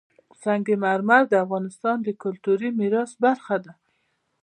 سنگ مرمر د افغانستان د کلتوري میراث برخه ده.